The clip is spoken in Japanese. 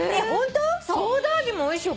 ソーダ味もおいしいよ。